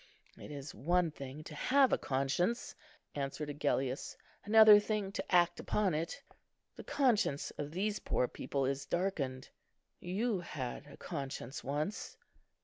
"It is one thing to have a conscience," answered Agellius; "another thing to act upon it. The conscience of these poor people is darkened. You had a conscience once."